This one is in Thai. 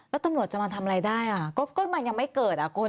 แล้วตำรวจจะมาทำอะไรได้อ่ะก็มันยังไม่เกิดอ่ะคุณ